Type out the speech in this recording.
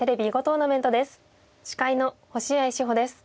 司会の星合志保です。